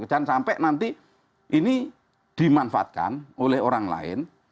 jangan sampai nanti ini dimanfaatkan oleh orang lain